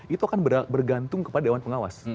itu akan bergantung kepada dewan pengawas